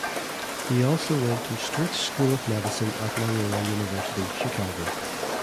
He also went to Stritch School of Medicine at Loyola University Chicago.